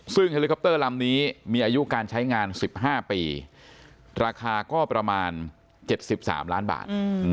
ซึ่งแฮลีคอปเตอร์ลำนี้มีอายุการใช้งานสิบห้าปีราคาก็ประมาณเจ็ดสิบสามล้านบาท